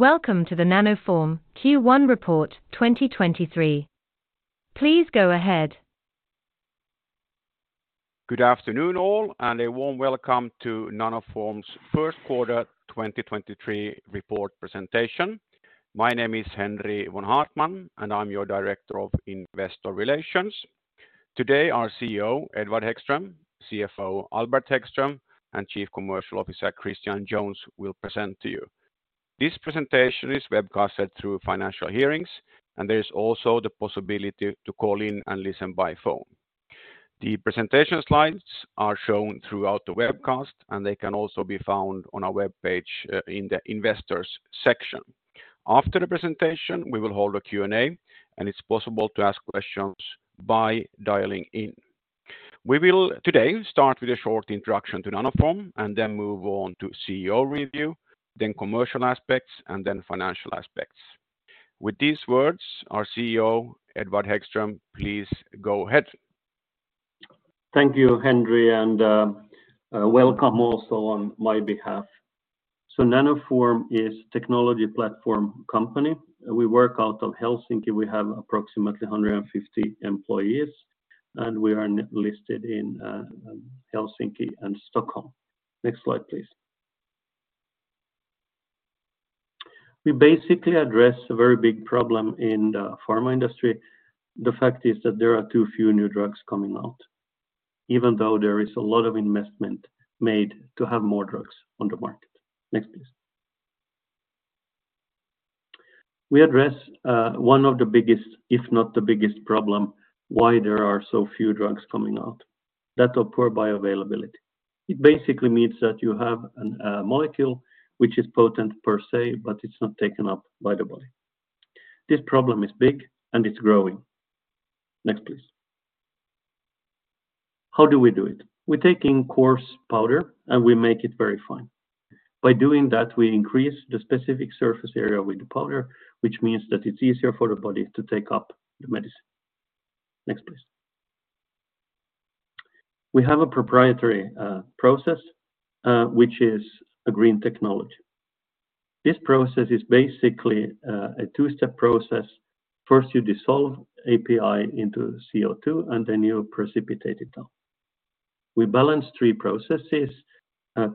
Welcome to the Nanoform Q1 Report 2023. Please go ahead. Good afternoon, all, and a warm welcome to Nanoform's Q1 2023 Report presentation. My name is Henri von Haartman, and I'm your Director of Investor Relations. Today, our CEO, Edward Hæggström, CFO, Albert Hæggström, and Chief Commercial Officer, Christian Jones, will present to you. This presentation is webcast through Financial Hearings, and there is also the possibility to call in and listen by phone. The presentation slides are shown throughout the webcast, and they can also be found on our webpage, in the Investors section. After the presentation, we will hold a Q&A, and it's possible to ask questions by dialing in. We will start today with a short introduction to Nanoform and then move on to CEO review, the commercial aspects, and the financial aspects. With these words, our CEO, Edward Hæggström, please go ahead. Thank you, Henri, welcome also on my behalf. Nanoform is a technology platform company. We work out of Helsinki. We have approximately 150 employees, and we are listed in Helsinki and Stockholm. Next slide, please. We basically address a very big problem in the pharma industry. The fact is that there are too few new drugs coming out, even though there is a lot of investment made to have more drugs on the market. Next, please. We address one of the biggest, if not the biggest, problem, why there are so few drugs coming out. That of poor bioavailability. It basically means that you have an molecule, which is potent per se, but it's not taken up by the body. This problem is big, and it's growing. Next, please. How do we do it? We're taking coarse powder, and we make it very fine. By doing that, we increase the specific surface area with the powder, which means that it's easier for the body to take up the medicine. Next, please. We have a proprietary process, which is a green technology. This process is basically a two-step process. First, you dissolve API into CO2, and then you precipitate it out. We balance three processes,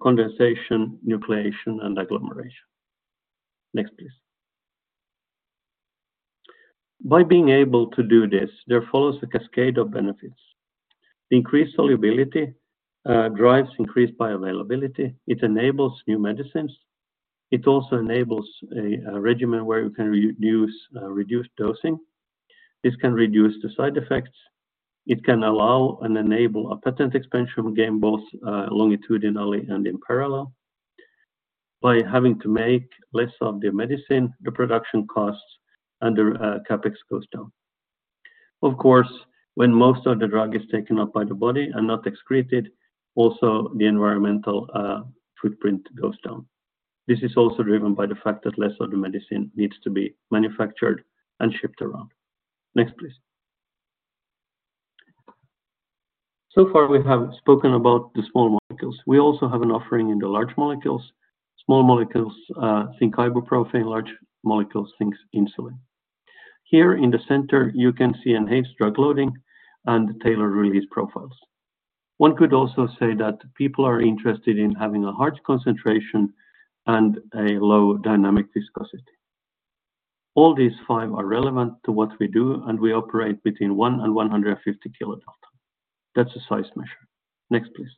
condensation, nucleation, and agglomeration. Next, please. By being able to do this, there follows a cascade of benefits. Increased solubility drives increased bioavailability, it enables new medicines. It also enables a regimen where you can use reduced dosing. This can reduce the side effects. It can allow and enable a patent expansion game, both longitudinally and in parallel. By having to make less of the medicine, the production costs and the CapEx goes down. Of course, when most of the drug is taken up by the body and not excreted, also, the environmental footprint goes down. This is also driven by the fact that less of the medicine needs to be manufactured and shipped around. Next, please. We have spoken about the small molecules. We also have an offering in the large molecules. Small molecules, think Ibuprofen, large molecules, thinks Insulin. Here in the center, you can see enhanced drug loading and tailored release profiles. One could also say that people are interested in having a high concentration and a low dynamic viscosity. All these five are relevant to what we do, and we operate between one and 150 kilodalton. That's a size measure. Next, please.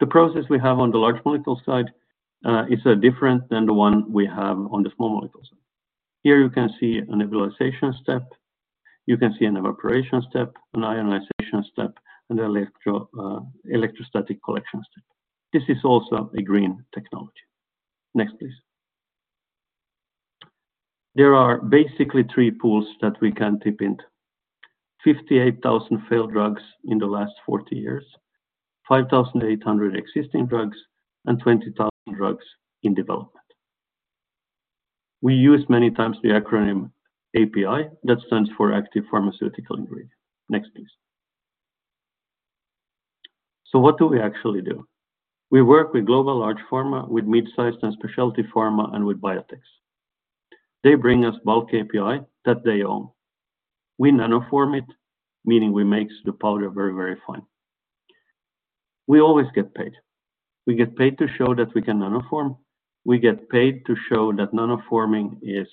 The process we have on the large molecule side is different than the one we have on the small molecule side. Here you can see a nebulization step, you can see an evaporation step, an ionization step, and an electrostatic collection step. This is also a green technology. Next, please. There are basically three pools that we can tip into. 58,000 failed drugs in the last 40 years, 5,800 existing drugs, and 20,000 drugs in development. We use many times the acronym API that stands for Active Pharmaceutical Ingredient. Next, please. What do we actually do? We work with global large pharma, with mid-sized and specialty Pharma, and with Biotech. They bring us bulk API that they own. We nanoform it, meaning we make the powder very, very fine. We always get paid. We get paid to show that we can nanoform, we get paid to show that Nano forming is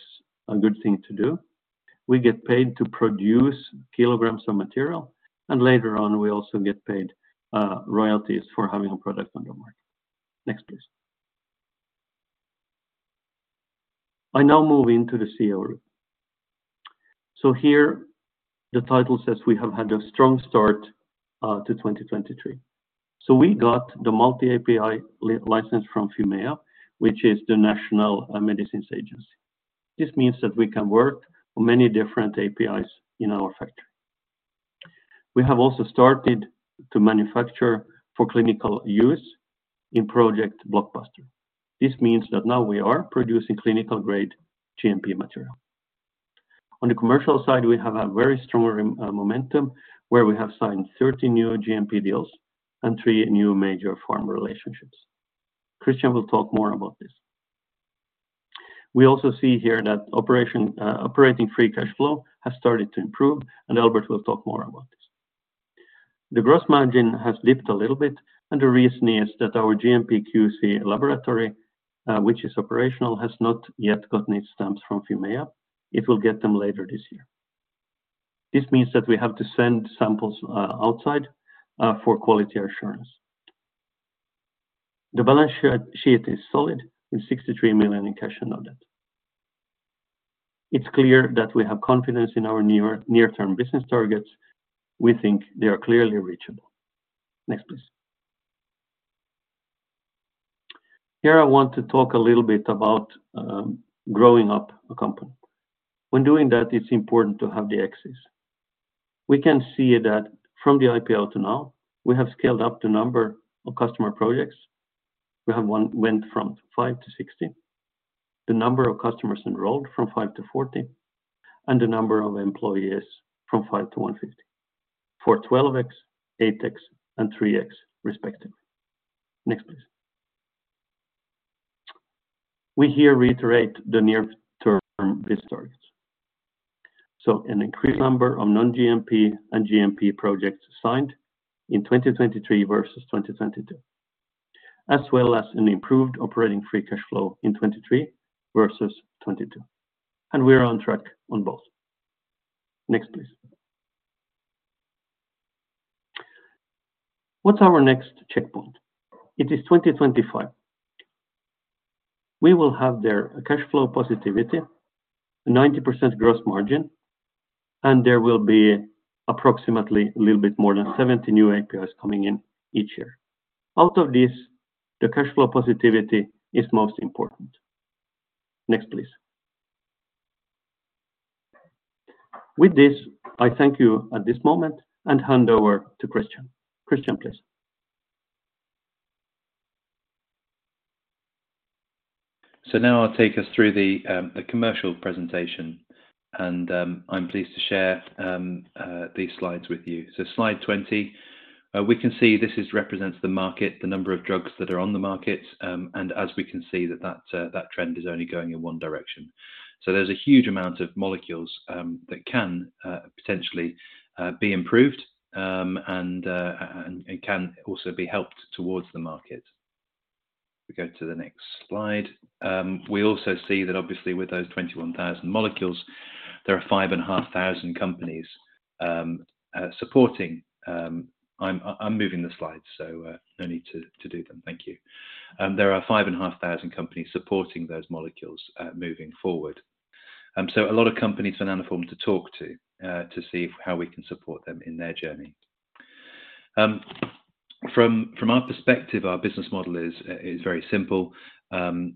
a good thing to do, we get paid to produce kilograms of material, and later on, we also get paid, royalties for having a product on the market. Next, please. I now move into the CEO review. Here, the title says we have had a strong start to 2023. We got the multi-API license from Fimea, which is the National Medicines Agency. This means that we can work on many different APIs in our factory. We have also started to manufacture for clinical use in Project Blockbuster. This means that now we are producing clinical-grade GMP material. On the commercial side, we have a very strong momentum, where we have signed 13 new GMP deals and three new major pharma relationships. Christian will talk more about this. We also see here that operating free cash flow has started to improve. Albert will talk more about this. The gross margin has dipped a little bit. The reason is that our GMP QC laboratory, which is operational, has not yet got its stamps from Fimea. It will get them later this year. This means that we have to send samples outside for quality assurance. The balance sheet is solid, with 63 million in cash and no debt. It's clear that we have confidence in our near-term business targets. We think they are clearly reachable. Next, please. Here I want to talk a little bit about growing up a company. When doing that, it's important to have the axis. We can see that from the IPO to now, we have scaled up the number of customer projects. We went from five to 16, the number of customers enrolled from five to 40, and the number of employees from five to 150. For 12 times, eight times, and three times respectively. Next, please. An increased number of non-GMP and GMP projects signed in 2023 versus 2022, as well as an improved operating free cash flow in 2023 versus 2022. We are on track on both. Next, please. What's our next checkpoint? It is 2025. We will have there a cash flow positivity, 90% gross margin, and there will be approximately a little bit more than 70 new APIs coming in each year. Out of this, the cash flow positivity is most important. Next, please. With this, I thank you at this moment and hand over to Christian. Christian, please. Now I'll take us through the commercial presentation, and I'm pleased to share these slides with you. Slide 20, we can see this represents the market, the number of drugs that are on the market, and as we can see that trend is only going in one direction. There's a huge amount of molecules that can potentially be improved and can also be helped towards the market. We go to the next slide. We also see that obviously with those 21,000 molecules, there are 5,500 companies supporting. I'm moving the slides, no need to do them. Thank you. There are 5,500 companies supporting those molecules moving forward. A lot of companies for Nanoform to talk to see how we can support them in their journey. From, from our perspective, our business model is very simple.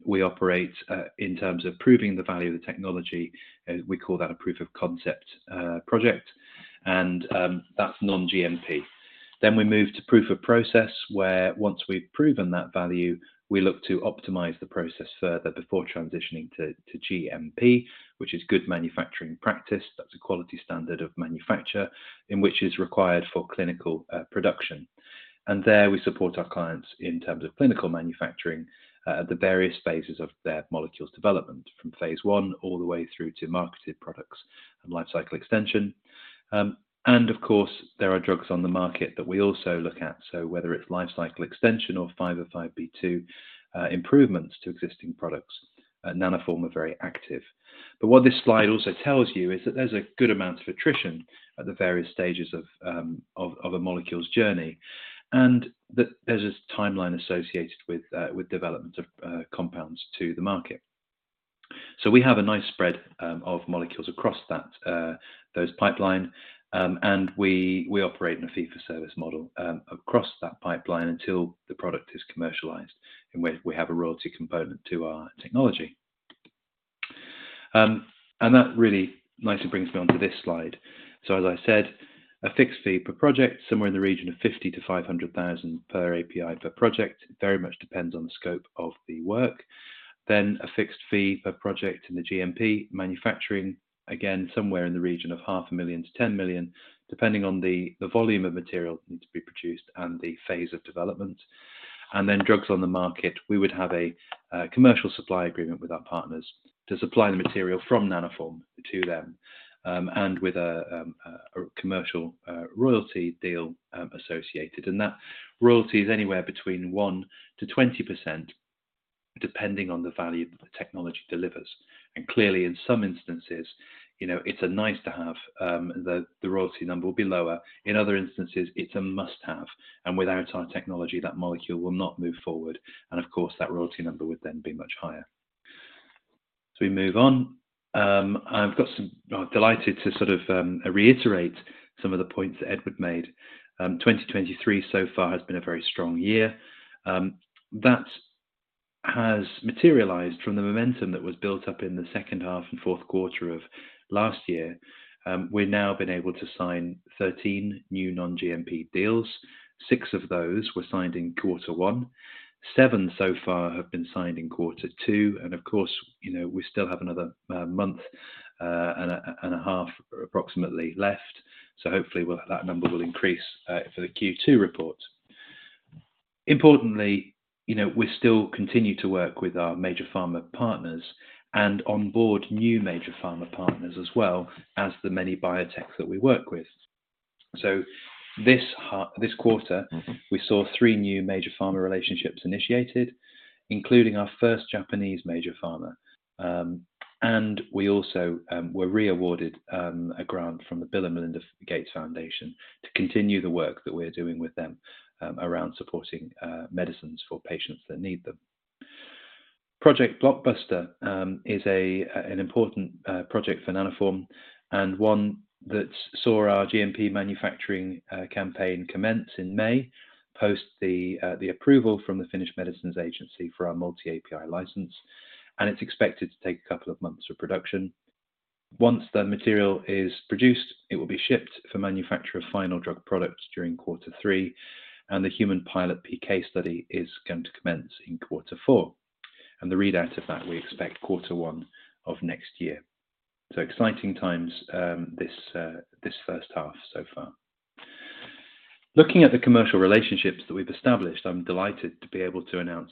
We operate in terms of proving the value of the technology, we call that a proof of concept project, and that's non-GMP. We move to Proof of Process, where once we've proven that value, we look to optimize the process further before transitioning to GMP, which is good manufacturing practice. That's a quality standard of manufacture in which is required for clinical production. There, we support our clients in terms of clinical manufacturing at the various phases of their molecules development, from phase I all the way through to marketed products and lifecycle extension. Of course, there are drugs on the market that we also look at. Whether it's lifecycle extension or 505(b)(2) improvements to existing products, Nanoform are very active. What this slide also tells you is that there's a good amount of attrition at the various stages of a molecule's journey, and that there's a timeline associated with development of compounds to the market. We have a nice spread of molecules across that those pipeline, and we operate in a fee-for-service model across that pipeline until the product is commercialized, in which we have a royalty component to our technology. That really nicely brings me onto this slide. As I said, a fixed fee per project, somewhere in the region of 50,000-500,000 per API per project, very much depends on the scope of the work. A fixed fee per project in the GMP manufacturing, again, somewhere in the region of half a million to 10 million, depending on the volume of material that needs to be produced and the phase of development. Drugs on the market, we would have a commercial supply agreement with our partners to supply the material from Nanoform to them, and with a commercial royalty deal associated. That royalty is anywhere between 1%-20%, depending on the value that the technology delivers. Clearly, in some instances, you know, it's a nice-to-have, the royalty number will be lower. In other instances, it's a must-have, without our technology, that molecule will not move forward, and of course, that royalty number would then be much higher. We move on. I'm delighted to sort of reiterate some of the points that Edward made. 2023 so far has been a very strong year. That has materialized from the momentum that was built up in H2 and Q4 of last year. We've now been able to sign 13 new non-GMP deals. Six of those were signed in Q1. Seven so far have been signed in Q2, and of course, you know, we still have another month and a half approximately left, so hopefully that number will increase for the Q2 report. Importantly, you know, we still continue to work with our major pharma partners and onboard new major pharma partners as well as the many biotechs that we work with. This quarter, we saw three new major pharma relationships initiated, including our first Japanese major pharma. We also were re-awarded a grant from the Bill & Melinda Gates Foundation to continue the work that we're doing with them around supporting medicines for patients that need them. Project Blockbuster is an important project for Nanoform and one that saw our GMP manufacturing campaign commence in May, post the approval from the Finnish Medicines Agency for our multi-API license. It's expected to take a couple of months of production. Once the material is produced, it will be shipped for manufacture of final drug products during Q3, and the human pilot PK study is going to commence in Q4. The readout of that, we expect Q1, 2024. Exciting times, this first half so far. Looking at the commercial relationships that we've established, I'm delighted to be able to announce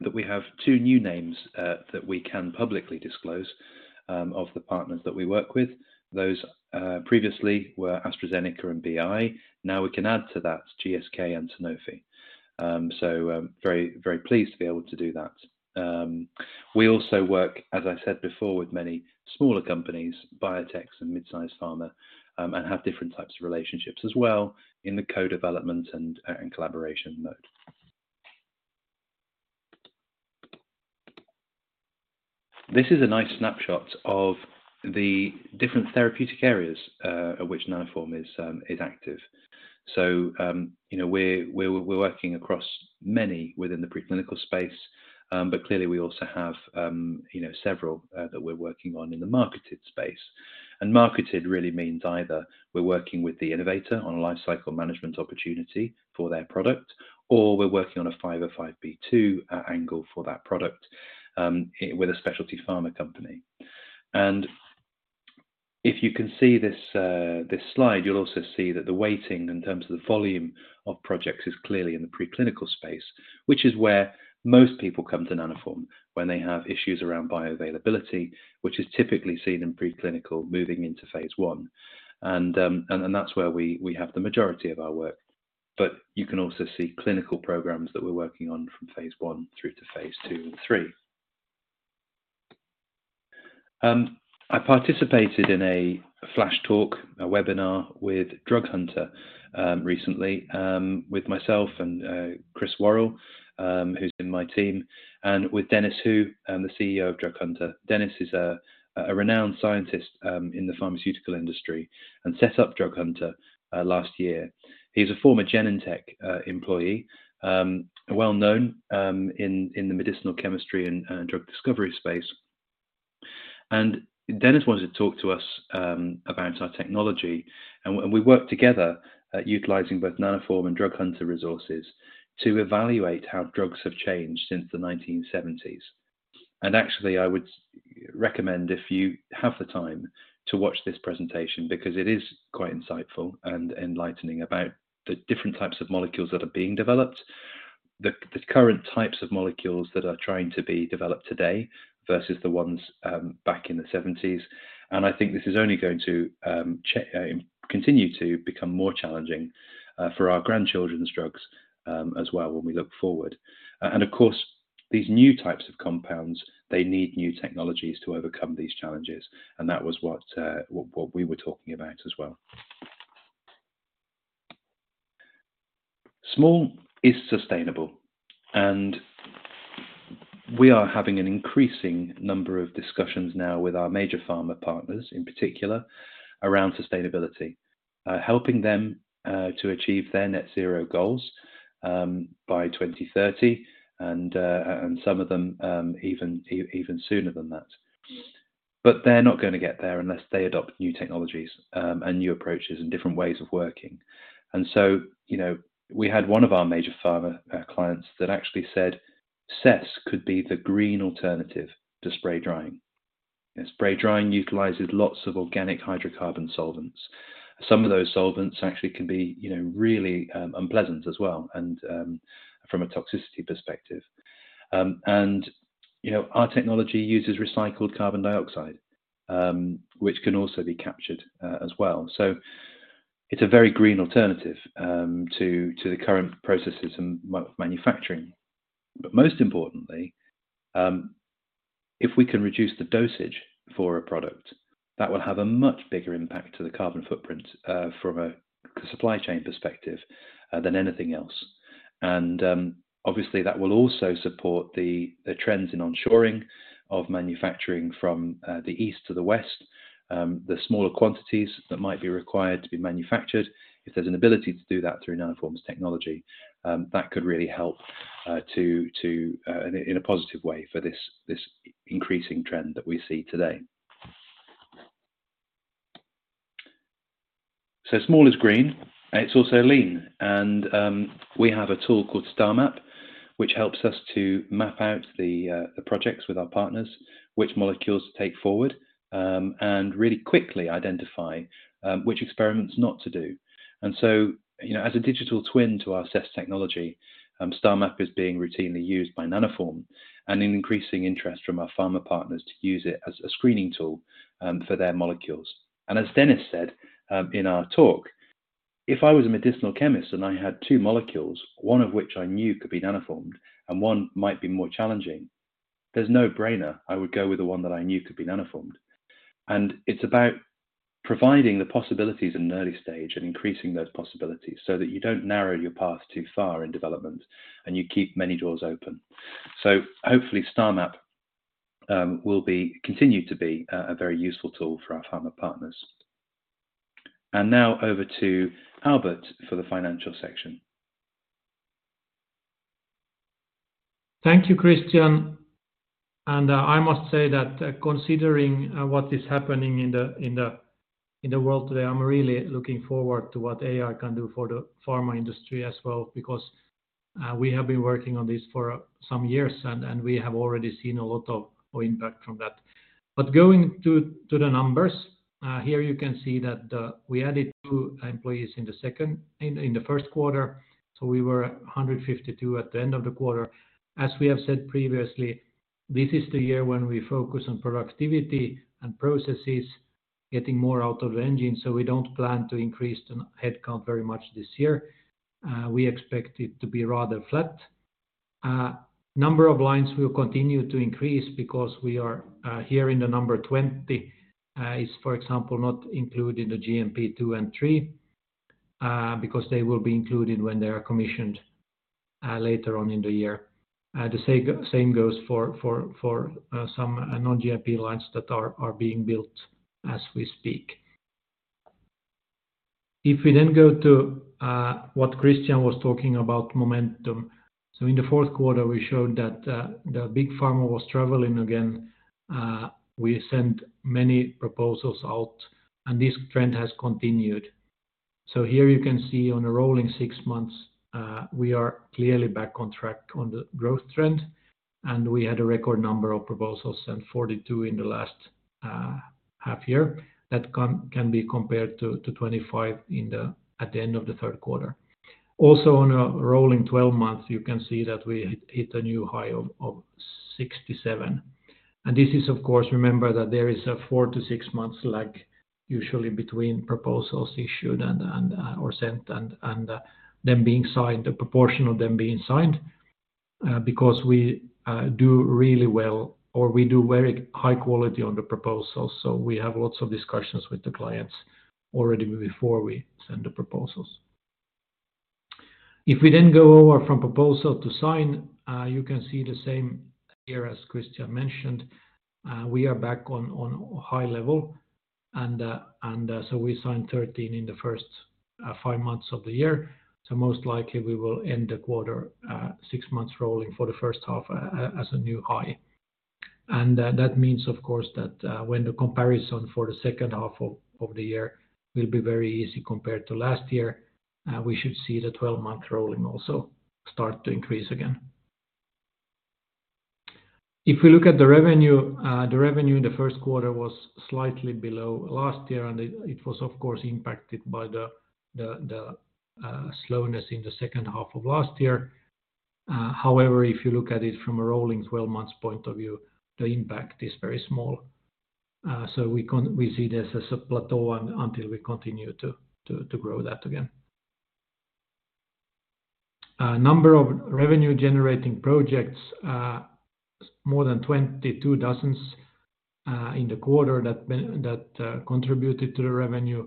that we have two new names that we can publicly disclose of the partners that we work with. Those previously were AstraZeneca and BI. Now we can add to that GSK and Sanofi. I'm very, very pleased to be able to do that. We also work, as I said before, with many smaller companies, Biotech and mid-sized Pharma, and have different types of relationships as well in the co-development and collaboration mode. This is a nice snapshot of the different therapeutic areas, at which Nanoform is active. You know, we're working across many within the preclinical space, but clearly, we also have, you know, several, that we're working on in the marketed space. Marketed really means either we're working with the innovator on a life cycle management opportunity for their product, or we're working on a 505, angle for that product, with a specialty pharma company. If you can see this slide, you'll also see that the weighting in terms of the volume of projects is clearly in the preclinical space, which is where most people come to Nanoform when they have issues around bioavailability, which is typically seen in preclinical moving into phase I. That's where we have the majority of our work, but you can also see clinical programs that we're working on from phase I through to phase II and III. I participated in a flash talk, a webinar with Drug Hunter recently, with myself and Chris Worrall, who's in my team, and with Dennis Hu, the CEO of Drug Hunter. Dennis is a renowned scientist in the pharmaceutical industry and set up Drug Hunter last year. He's a former Genentech employee, well known in the medicinal chemistry and drug discovery space. Dennis wanted to talk to us about our technology, and we worked together at utilizing both Nanoform and Drug Hunter resources to evaluate how drugs have changed since the 1970s. Actually, I would recommend, if you have the time, to watch this presentation because it is quite insightful and enlightening about the different types of molecules that are being developed, the current types of molecules that are trying to be developed today versus the ones back in the '70s. I think this is only going to continue to become more challenging for our grandchildren's drugs as well when we look forward. Of course, these new types of compounds, they need new technologies to overcome these challenges, and that was what we were talking about as well. Small is sustainable, and we are having an increasing number of discussions now with our major pharma partners, in particular, around sustainability. helping them to achieve their net zero goals by 2030, and some of them even sooner than that. They're not going to get there unless they adopt new technologies and new approaches and different ways of working. You know, we had one of our major pharma clients that actually said, "CESS could be the green alternative to spray drying." Spray drying utilizes lots of organic hydrocarbon solvents. Some of those solvents actually can be, you know, really unpleasant as well, and from a toxicity perspective. You know, our technology uses recycled carbon dioxide, which can also be captured as well. It's a very green alternative to the current processes and manufacturing. Most importantly, if we can reduce the dosage for a product, that will have a much bigger impact to the carbon footprint from a supply chain perspective than anything else. Obviously, that will also support the trends in onshoring of manufacturing from the East to the West, the smaller quantities that might be required to be manufactured. If there's an ability to do that through Nanoform's technology, that could really help in a positive way for this increasing trend that we see today. Small is green, and it's also lean. We have a tool called Starmap, which helps us to map out the projects with our partners, which molecules to take forward, and really quickly identify which experiments not to do. You know, as a digital twin to our CESS technology, Starmap is being routinely used by Nanoform and an increasing interest from our pharma partners to use it as a screening tool for their molecules. As Dennis said, in our talk, if I was a medicinal chemist and I had two molecules, one of which I knew could be nano-formed and one might be more challenging, there's no brainer, I would go with the one that I knew could be nano-formed. It's about providing the possibilities in an early stage and increasing those possibilities so that you don't narrow your path too far in development and you keep many doors open. Hopefully, Starmap will continue to be a very useful tool for our pharma partners. Now over to Albert for the financial section. Thank you, Christian. I must say that considering what is happening in the world today, I'm really looking forward to what AI can do for the pharma industry as well, because we have been working on this for some years, and we have already seen a lot of impact from that. Going to the numbers, here you can see that we added two employees in Q1 so we were at 152 at the end of the quarter. As we have said previously, this is the year when we focus on productivity and processes, getting more out of the engine, we don't plan to increase the headcount very much this year. We expect it to be rather flat. Number of lines will continue to increase because we are, here in the number 20, is, for example, not included in the GMP two and three, because they will be included when they are commissioned, later on in the year. The same goes for, for, some non-GMP lines that are being built as we speak. If we then go to, what Christian was talking about, momentum. In Q4, we showed that, the big pharma was traveling again. We sent many proposals out, and this trend has continued. Here you can see on a rolling six months, we are clearly back on track on the growth trend, and we had a record number of proposals, sent 42 in the last, half year. That can be compared to 25 at the end of Q3. On a rolling 12 months, you can see that we hit a new high of 67. This is, of course, remember that there is a four to six months lag usually between proposals issued or sent and them being signed, the proportion of them being signed, because we do really well or we do very high quality on the proposals, so we have lots of discussions with the clients already before we send the proposals. We go over from proposal to sign, you can see the same here as Christian mentioned. We are back on high level and we signed 13 in the first five months of the year. Most likely we will end the quarter, six months rolling for the first half as a new high. That means, of course, that when the comparison for H2 will be very easy compared to last year, we should see the 12-month rolling also start to increase again. If we look at the revenue, the revenue in Q1 was slightly below last year, and it was of course impacted by the slowness in H2,2022. However, if you look at it from a rolling 12 months point of view, the impact is very small. We see this as a plateau until we continue to grow that again. Number of revenue-generating projects, more than 22 dozens, in the quarter that contributed to the revenue.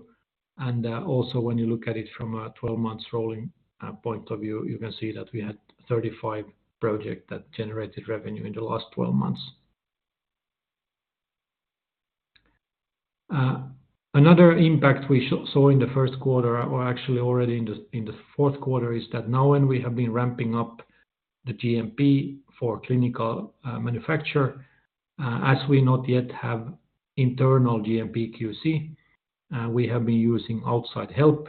Also, when you look at it from a 12 months rolling point of view, you can see that we had 35 projects that generated revenue in the last 12 months. Another impact we saw in Q1, or actually already in Q4 is that now when we have been ramping up the GMP for clinical manufacture, as we not yet have internal GMP QC, we have been using outside help,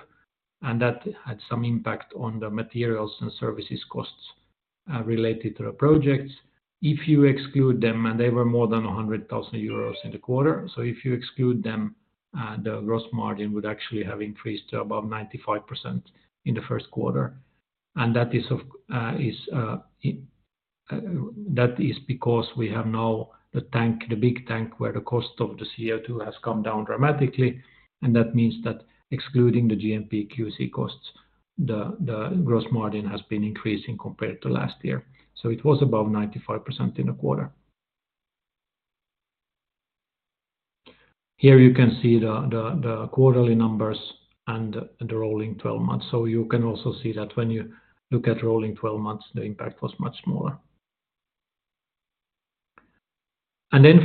and that had some impact on the materials and services costs related to the projects. If you exclude them, they were more than 100,000 euros in the quarter. If you exclude them, the gross margin would actually have increased to about 95% in Q1. That is because we have now the tank, the big tank, where the cost of the CO2 has come down dramatically. That means that excluding the GMP QC costs, the gross margin has been increasing compared to last year. It was above 95% in the quarter. Here you can see the quarterly numbers and the rolling 12 months. You can also see that when you look at rolling 12 months, the impact was much smaller.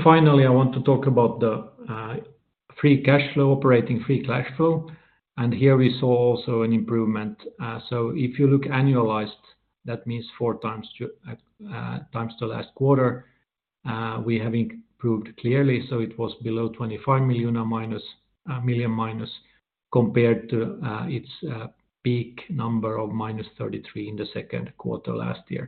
Finally, I want to talk about the free cash flow, operating free cash flow, and here we saw also an improvement. If you look annualized, that means four times the last quarter, we have improved clearly, so it was below 25 million or minus, compared to its peak number of minus 33 million in Q2 2022.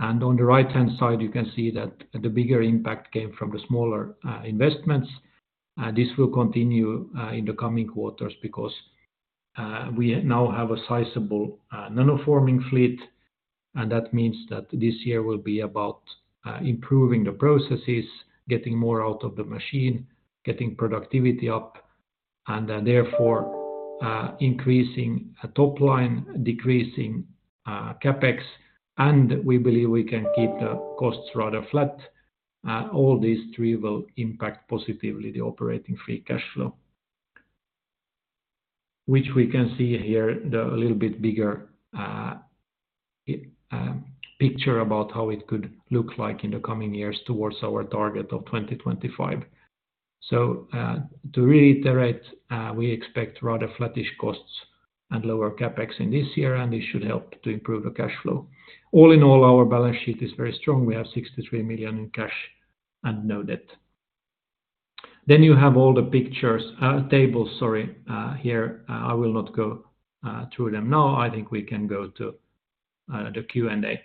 On the right-hand side, you can see that the bigger impact came from the smaller investments. This will continue in the coming quarters because we now have a sizable nanoforming fleet, and that means that this year will be about improving the processes, getting more out of the machine, getting productivity up, and therefore increasing a top line, decreasing CapEx, and we believe we can keep the costs rather flat. All these three will impact positively the operating free cash flow. Which we can see here, the a little bit bigger picture about how it could look like in the coming years towards our target of 2025. To reiterate, we expect rather flattish costs and lower CapEx in this year, and it should help to improve the cash flow. All in all, our balance sheet is very strong. We have 63 million in cash and no debt. You have all the pictures, tables, sorry, here. I will not go through them now. I think we can go to the Q&A.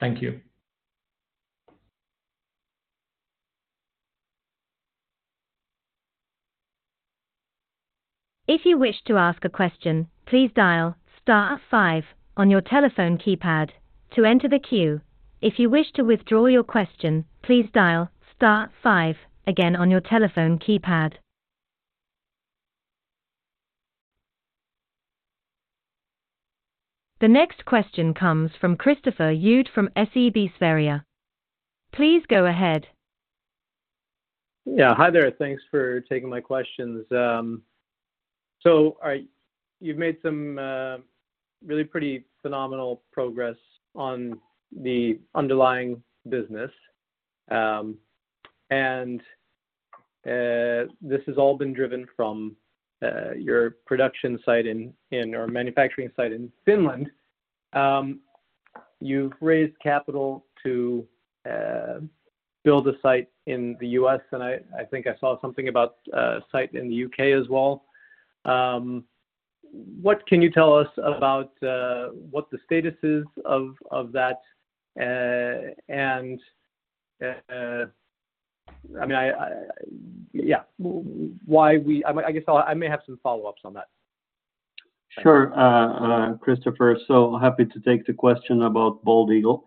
Thank you. If you wish to ask a question, please dial star five on your telephone keypad to enter the queue. If you wish to withdraw your question, please dial star five again on your telephone keypad. The next question comes from Christopher Sundman from SEB Sverige. Please go ahead. Yeah. Hi there. Thanks for taking my questions. You've made some really pretty phenomenal progress on the underlying business, and this has all been driven from your production site or manufacturing site in Finland. You've raised capital to build a site in the US, and I think I saw something about a site in the UK as well. What can you tell us about what the status is of that? And I mean, Yeah, I guess I may have some follow-ups on that. Sure, Christopher. Happy to take the question about Bald Eagle.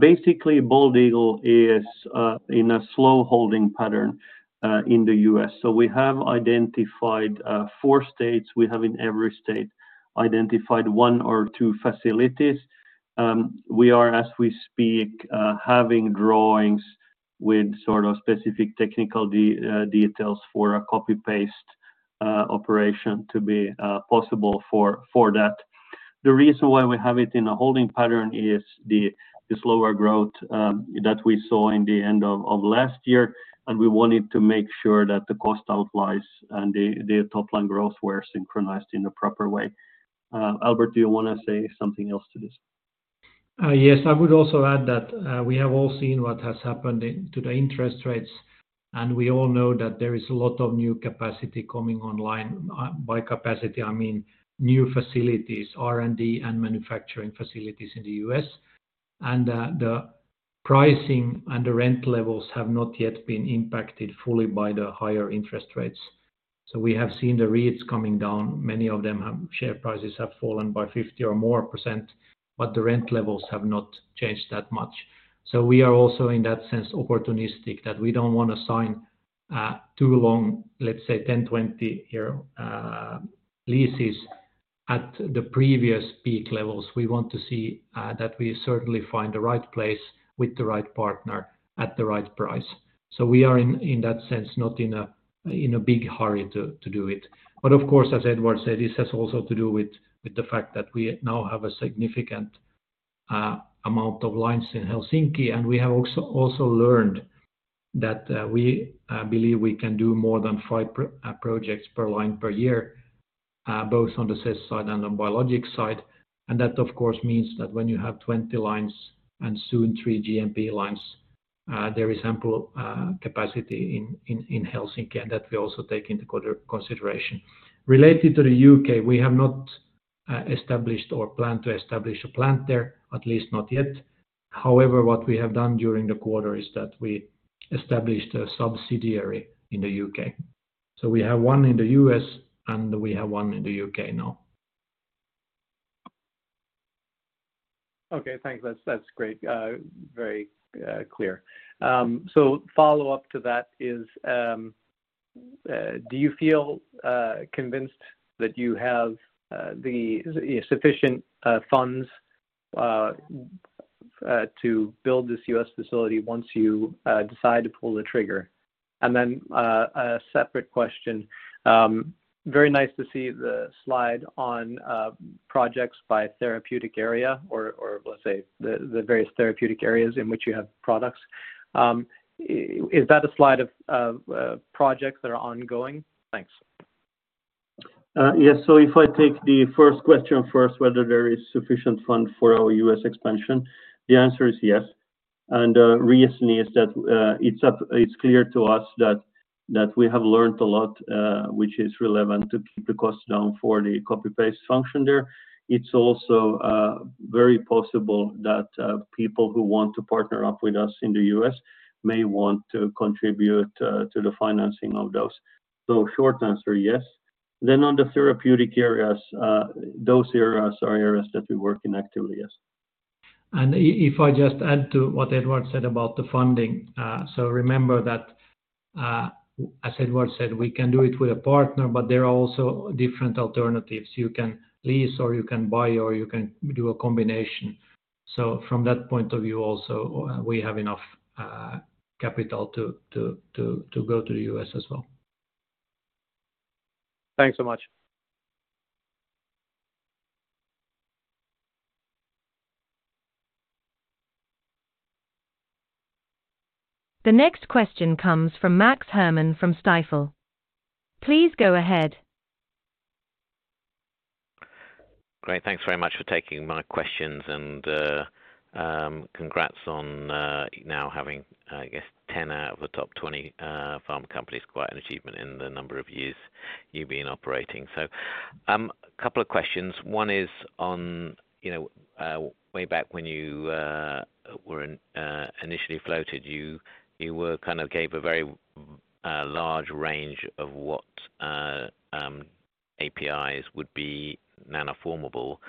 Basically, Bald Eagle is in a slow holding pattern in the U.S. We have identified four states. We have in every state, identified one or two facilities. We are, as we speak, having drawings with sort of specific technical details for a copy-paste operation to be possible for that. The reason why we have it in a holding pattern is the slower growth that we saw in the end of last year, and we wanted to make sure that the cost outliers and the top-line growth were synchronized in a proper way. Albert, do you wanna say something else to this? Yes, I would also add that we have all seen what has happened to the interest rates, and we all know that there is a lot of new capacity coming online. By capacity, I mean new facilities, R&D, and manufacturing facilities in the US, and that the pricing and the rent levels have not yet been impacted fully by the higher interest rates. We have seen the REITs coming down. Many of them have share prices have fallen by 50% or more, but the rent levels have not changed that much. We are also, in that sense, opportunistic, that we don't wanna sign too long, let's say, 10, 20-year leases at the previous peak levels. We want to see that we certainly find the right place with the right partner at the right price. We are in that sense, not in a big hurry to do it. Of course, as Edward said, this has also to do with the fact that we now have a significant amount of lines in Helsinki, and we have also learned that we believe we can do more than five projects per line per year, both on the sales side and the biologic side. That, of course, means that when you have 20 lines and soon 3 GMP lines, there is ample capacity in Helsinki, and that we also take into consideration. Related to the U.K., we have not established or planned to establish a plant there, at least not yet. However, what we have done during the quarter is that we established a subsidiary in the U.K. We have one in the U.S., and we have one in the U.K. now. Okay, thanks. That's great, very clear. Follow-up to that is, do you feel convinced that you have the sufficient funds to build this U.S. facility once you decide to pull the trigger? Then a separate question. Very nice to see the slide on projects by therapeutic area, or let's say the various therapeutic areas in which you have products. Is that a slide of projects that are ongoing? Thanks. Yes. If I take the first question first, whether there is sufficient fund for our US expansion? The answer is yes. Reason is that, it's clear to us that we have learned a lot, which is relevant to keep the costs down for the copy-paste function there. It's also very possible that, people who want to partner up with us in the US may want to contribute to the financing of those. Short answer, yes. On the therapeutic areas, those areas are areas that we work in actively, yes. If I just add to what Edward said about the funding. Remember that, as Edward said, we can do it with a partner, but there are also different alternatives. You can lease, or you can buy, or you can do a combination. From that point of view, also, we have enough capital to go to the U.S. as well. Thanks so much. The next question comes from Max Herrmann from Stifel. Please go ahead. Great. Thanks very much for taking my questions, congrats on, now having, I guess, 10 out of the top 20, pharma companies. Quite an achievement in the number of years you've been operating. A couple of questions. One is on, you know, way back when you, were, initially floated, you were kind of gave a very, large range of what, APIs would be nano-formable.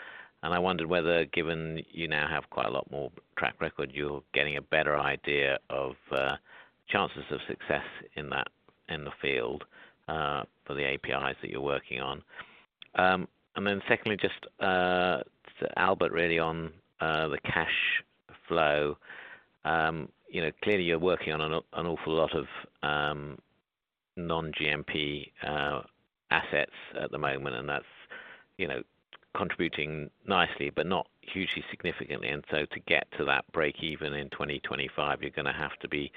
I wondered whether, given you now have quite a lot more track record, you're getting a better idea of, chances of success in the field, for the APIs that you're working on. Then secondly, just, to Albert, really, on, the cash flow. you know, clearly you're working on an awful lot of non-GMP assets at the moment, and that's, you know, contributing nicely, but not hugely significantly. To get to that break-even in 2025, you're gonna have to be,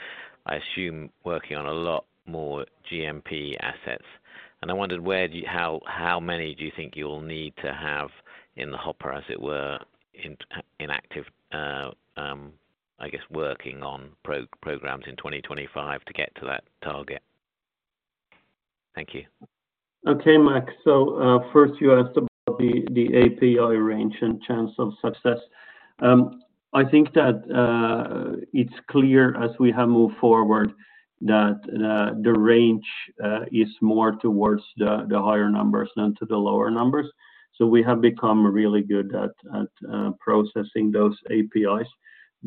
I assume, working on a lot more GMP assets. I wondered, how many do you think you'll need to have in the hopper, as it were, in active, I guess, working on programs in 2025 to get to that target? Thank you. Okay, Max. First, you asked about the API range and chance of success. I think that it's clear as we have moved forward, that the range is more towards the higher numbers than to the lower numbers. We have become really good at processing those APIs.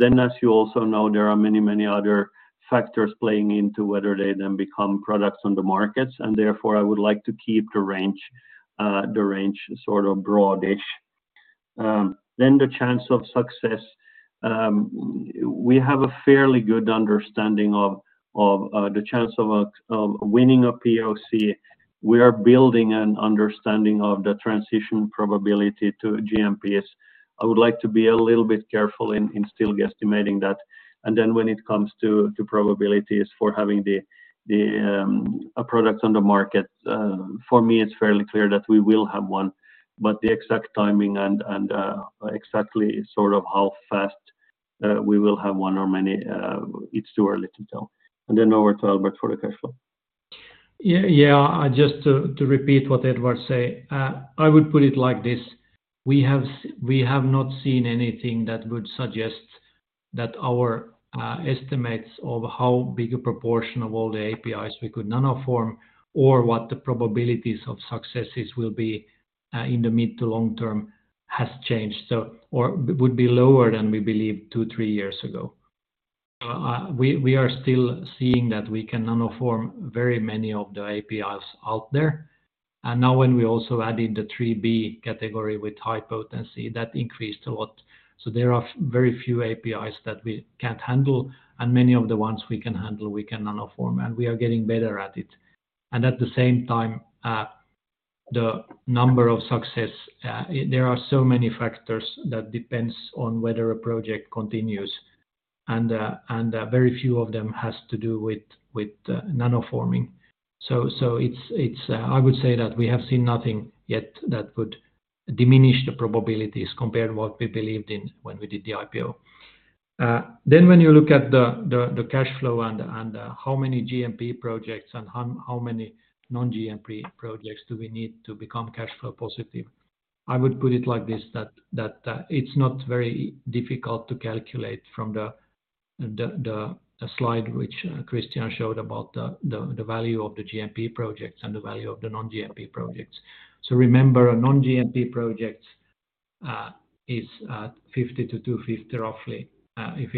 As you also know, there are many other factors playing into whether they then become products on the markets, and therefore, I would like to keep the range sort of broadish. The chance of success. We have a fairly good understanding of the chance of winning a POC. We are building an understanding of the transition probability to GMPs. I would like to be a little bit careful in still guesstimating that. When it comes to probabilities for having the, a product on the market, for me, it's fairly clear that we will have one, but the exact timing and, exactly sort of how fast, we will have one or many, it's too early to tell. Over to Albert for the cash flow. Yeah, yeah. Just to repeat what Edward say, I would put it like this: we have not seen anything that would suggest that our estimates of how big a proportion of all the APIs we could nanoform or what the probabilities of successes will be in the mid to long term has changed, or would be lower than we believed two, three years ago. We are still seeing that we can nanoform very many of the APIs out there. When we also added the 3B category with high potency, that increased a lot. There are very few APIs that we can't handle, and many of the ones we can handle, we can nanoform, and we are getting better at it. At the same time, the number of success, there are so many factors that depends on whether a project continues, and very few of them has to do with nano-forming. It's, I would say that we have seen nothing yet that would diminish the probabilities compared to what we believed in when we did the IPO. When you look at the cash flow and how many GMP projects and how many non-GMP projects do we need to become cash flow positive, I would put it like this, that it's not very difficult to calculate from the slide, which Christian showed about the value of the GMP projects and the value of the non-GMP projects. Remember, a non-GMP project is at 50-250, roughly, if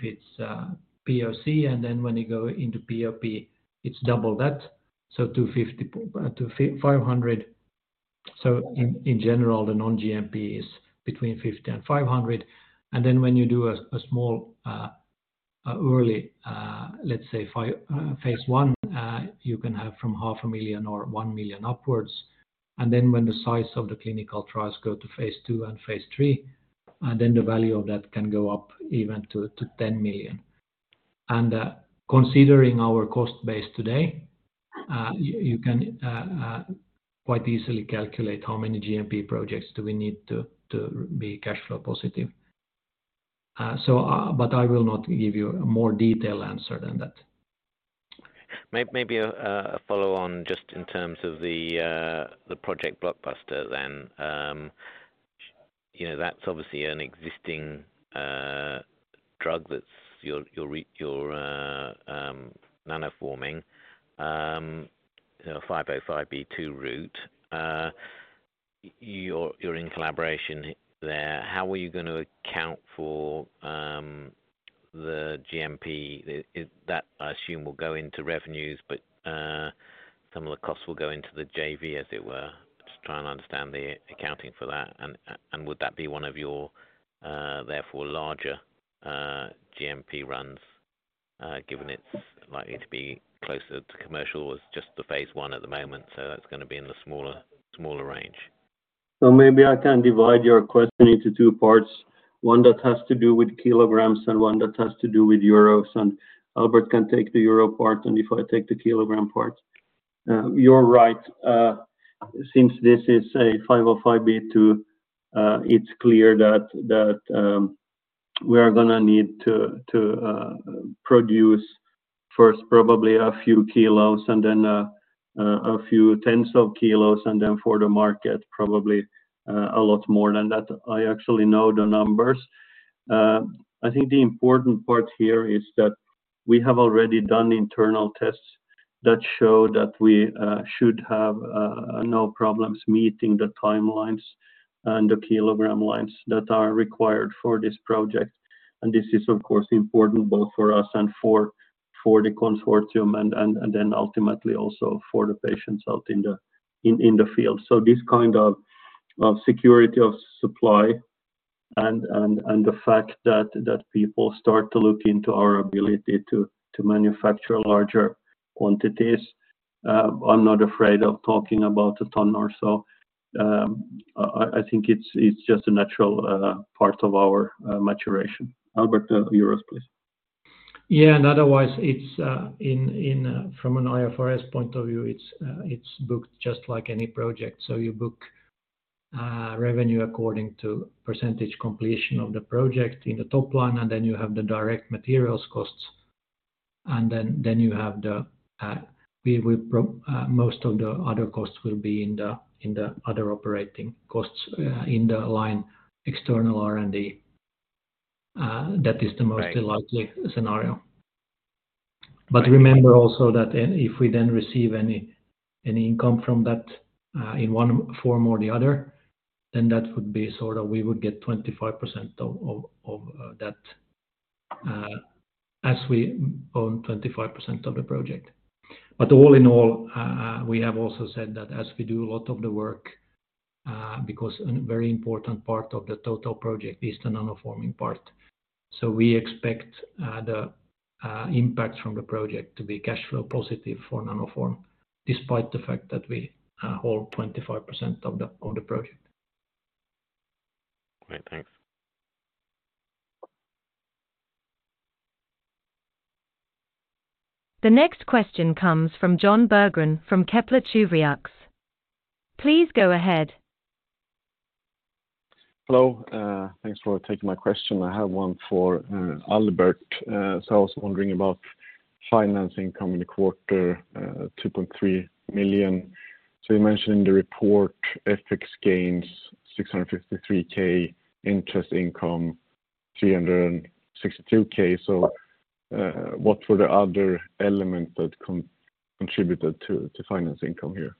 it's POC. When you go into PoP, it's double that. 250-500. In general, the non-GMP is between 50 and 500. When you do a small, early, let's say, phase I, you can have from half a million EUR or 1 million upwards. When the size of the clinical trials go to phase II and phase III, the value of that can go up even to 10 million. Considering our cost base today, you can quite easily calculate how many GMP projects do we need to be cash flow positive. I will not give you a more detailed answer than that. Maybe a follow-on just in terms of the Project Blockbuster then. You know, that's obviously an existing drug that's you're nano-forming, you know, 505(b)(2) route. You're in collaboration there. How are you gonna account for the GMP? That I assume will go into revenues, but some of the costs will go into the JV, as it were. Just trying to understand the accounting for that. Would that be one of your therefore larger GMP runs, given it's likely to be closer to commercial as just the phase I at the moment, so that's gonna be in the smaller range? Maybe I can divide your question into two parts. One that has to do with kilograms, and one that has to do with euros, and Albert can take the euro part, and if I take the kilogram part. You're right, since this is a 505(b)(2), it's clear that, we are gonna need to produce first probably a few kilos and then a few tens of kilos, and then for the market, probably a lot more than that. I actually know the numbers. I think the important part here is that we have already done internal tests that show that we should have no problems meeting the timelines and the kilogram lines that are required for this project. This is, of course, important both for us and for the consortium and then ultimately also for the patients out in the field. This kind of security of supply and the fact that people start to look into our ability to manufacture larger quantities, I'm not afraid of talking about a ton or so. I think it's just a natural part of our maturation. Albert, the euros, please. Otherwise, it's in from an IFRS point of view, it's booked just like any project. You book revenue according to percentage completion of the project in the top line, and then you have the direct materials costs, and then you have the most of the other costs will be in the other operating costs, in the line external R&D. Right... most likely scenario. Right. Remember also that if we then receive any income from that, in one form or the other, then that would be sort of we would get 25% of that, as we own 25% of the project. All in all, we have also said that as we do a lot of the work, because an very important part of the total project is the nano-forming part. We expect the impact from the project to be cash flow positive for Nanoform, despite the fact that we hold 25% of the project. Great. Thanks. The next question comes from Jon Berggren from Kepler Cheuvreux. Please go ahead. Hello, thanks for taking my question. I have one for Albert. I was wondering about financing coming quarter, 2.3 million. You mentioned in the report, FX gains 653 K, interest income 362 K. What were the other elements that contributed to finance income here?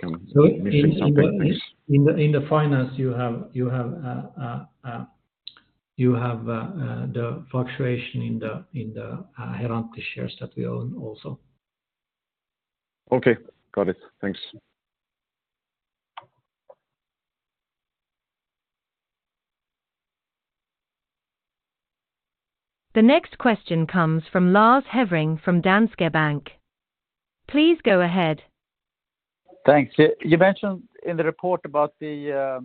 So- missing something. Thanks In the finance, you have the fluctuation in the Herantis shares that we own also. Okay, got it. Thanks. The next question comes from Lars Hevreng, from Danske Bank. Please go ahead. Thanks. You mentioned in the report about the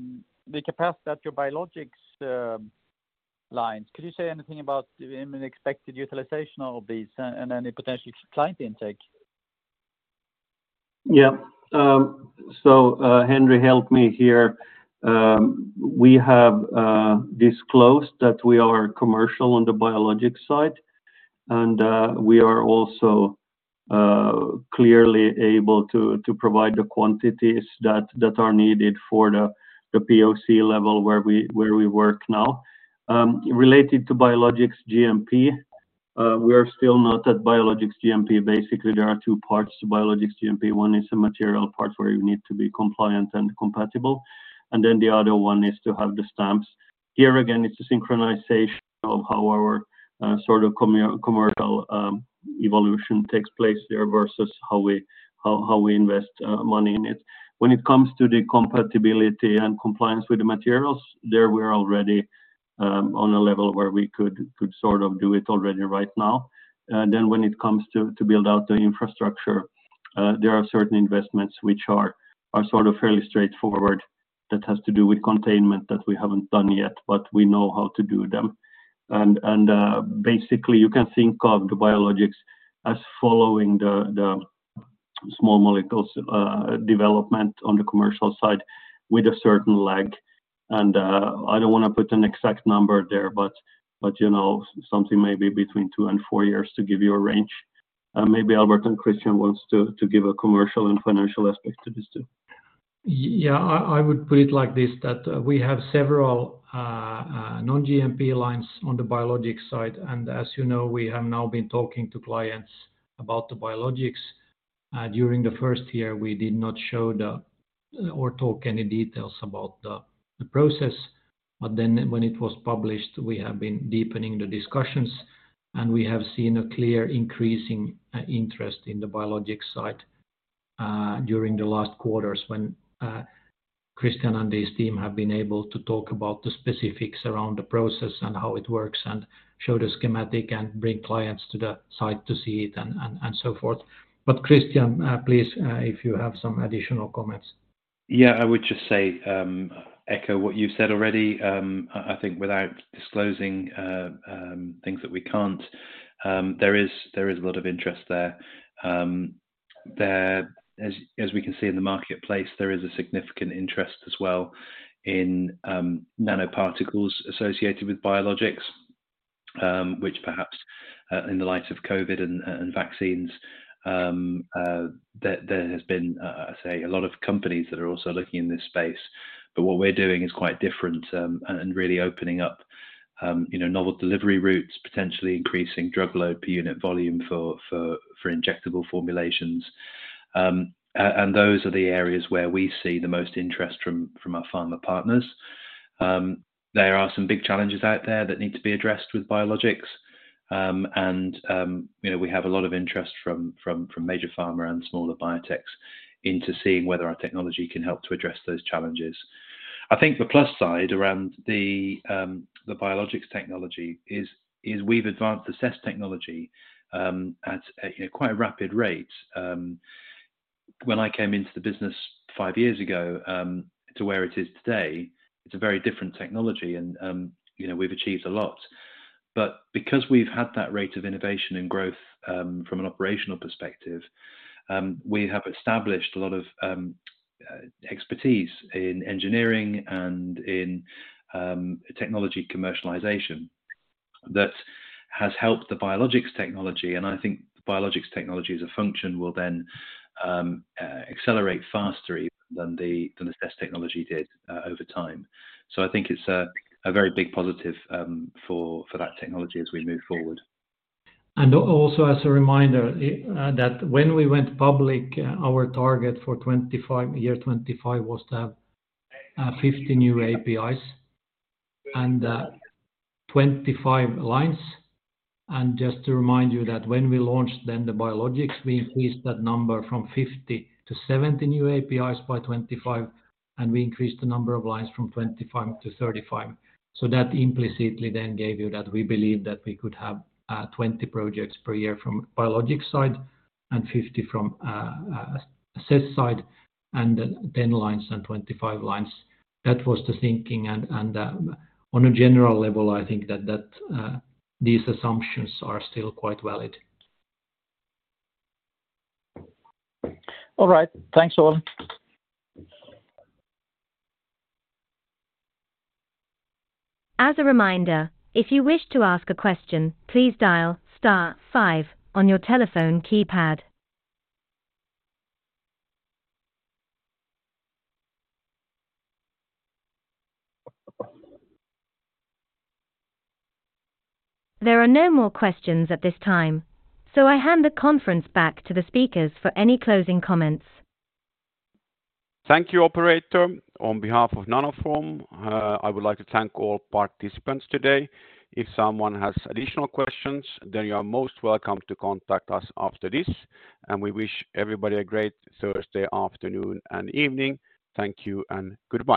capacity at your biologics lines. Could you say anything about the expected utilization of these and any potential client intake? Henri, help me here. We have disclosed that we are commercial on the biologics side. We are also clearly able to provide the quantities that are needed for the POC level where we work now. Related to biologics GMP, we are still not at biologics GMP. Basically, there are two parts to biologics GMP. One is the material part, where you need to be compliant and compatible. Then the other one is to have the stamps. Here again, it's a synchronization of how our sort of commercial evolution takes place there versus how we invest money in it. When it comes to the compatibility and compliance with the materials, there we're already on a level where we could sort of do it already right now. When it comes to build out the infrastructure, there are certain investments which are sort of fairly straightforward, that has to do with containment that we haven't done yet, but we know how to do them. Basically, you can think of the biologics as following the small molecules development on the commercial side with a certain lag. I don't wanna put an exact number there, but, you know, something maybe between two toPfour years to give you a range. Maybe Albert Hæggström and Christian Jones wants to give a commercial and financial aspect to this, too. Yeah, I would put it like this, that we have several non-GMP lines on the biologics side, and as you know, we have now been talking to clients about the biologics. During the first year, we did not show or talk any details about the process, but then when it was published, we have been deepening the discussions, and we have seen a clear increasing interest in the biologics side during the last quarters when Christian and his team have been able to talk about the specifics around the process and how it works and show the schematic and bring clients to the site to see it, and so forth. Christian, please, if you have some additional comments. Yeah, I would just say, echo what you've said already. I think without disclosing things that we can't, there is a lot of interest there. There, as we can see in the marketplace, there is a significant interest as well in nanoparticles associated with biologics, which perhaps in the light of COVID and vaccines, there has been I'd say a lot of companies that are also looking in this space, what we're doing is quite different, and really opening up, you know, novel delivery routes, potentially increasing drug load per unit volume for injectable formulations. Those are the areas where we see the most interest from our pharma partners. There are some big challenges out there that need to be addressed with biologics. You know, we have a lot of interest from major pharma and smaller Biotech into seeing whether our technology can help to address those challenges. I think the plus side around the biologics technology is we've advanced the CES technology at a, you know, quite a rapid rate. When I came into the business 5 years ago, to where it is today, it's a very different technology, and, you know, we've achieved a lot. Because we've had that rate of innovation and growth, from an operational perspective, we have established a lot of expertise in engineering and in technology commercialization that has helped the biologics technology, and I think the biologics technology as a function will then accelerate faster even than the CES technology did over time. I think it's a very big positive for that technology as we move forward. Also as a reminder, that when we went public, our target for 25, year 25 was to have 50 new APIs and 25 lines. Just to remind you that when we launched then the biologics, we increased that number from 50 to 70 new APIs by 25, and we increased the number of lines from 25 to 35. That implicitly then gave you that we believe that we could have 20 projects per year from biologics side and 50 from CES side, and then 10 lines and 25 lines. That was the thinking, and on a general level, I think that these assumptions are still quite valid. All right. Thanks, all. As a reminder, if you wish to ask a question, please dial star five on your telephone keypad. There are no more questions at this time, so I hand the conference back to the speakers for any closing comments. Thank you, operator. On behalf of Nanoform, I would like to thank all participants today. If someone has additional questions, you are most welcome to contact us after this. We wish everybody a great Thursday afternoon and evening. Thank you and goodbye.